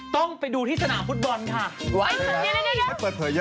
ถ้าไปที่ธิษฎาฟุตบอลแล้วจะเจอกันอยู่บ่อย